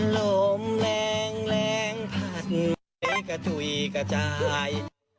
ลมแรงแรงผัดไปกระถุยกระจาย